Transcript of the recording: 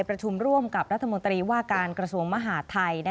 ประชุมร่วมกับรัฐมนตรีว่าการกระทรวงมหาดไทย